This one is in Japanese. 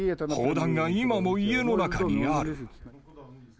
砲弾が今も家の中にある。